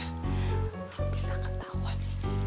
gak bisa ketahuan